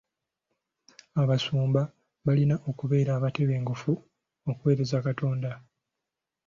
Abasumba balina okubeera abeetegefu okuweereza Katonda.